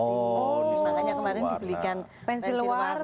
oh misalnya kemarin dibelikan pensil warna